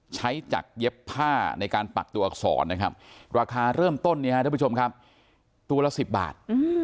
ใช้จากเย็บผ้าในการปักตัวอักษรนะครับราคาเริ่มต้นเนี่ยฮะท่านผู้ชมครับตัวละ๑๐บาท